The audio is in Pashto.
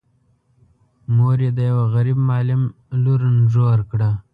مور یې د یوه غريب معلم لور نږور کړه.